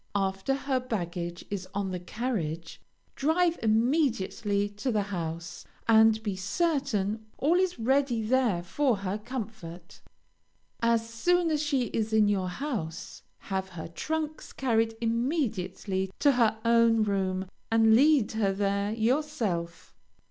After her baggage is on the carriage, drive immediately to the house, and be certain all is ready there for her comfort. As soon as she is at your house, have her trunks carried immediately to her own room, and lead her there yourself.